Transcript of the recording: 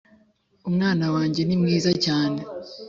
Umwana wanjye ni mwiza cyane